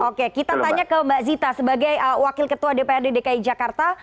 oke kita tanya ke mbak zita sebagai wakil ketua dprd dki jakarta